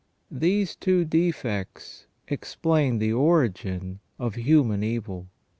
These two defects explain the origin of human evil.